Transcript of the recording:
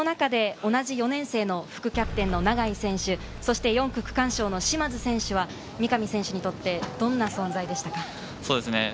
同じ４年生の副キャプテン・永井選手、４区区間賞の嶋津選手は三上選手にとってどんな存在でしたか？